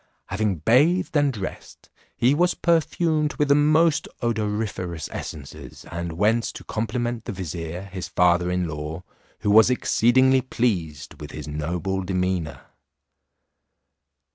Having bathed and dressed, he was perfumed with the most odoriferous essences, and went to compliment the vizier, his father in law, who was exceedingly pleased with his noble demeanour.